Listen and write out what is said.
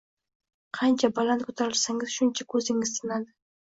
Qancha baland ko’tarilsangiz, shuncha ko’zingiz tinadi.